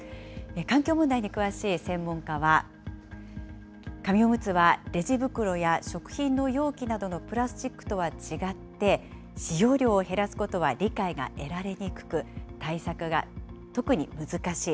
環境問題に詳しい専門家は、紙おむつはレジ袋や食品の容器などのプラスチックとは違って、使用量を減らすことは理解が得られにくく、対策が特に難しい。